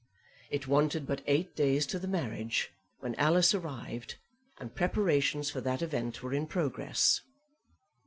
It wanted but eight days to the marriage when Alice arrived, and preparations for that event were in progress.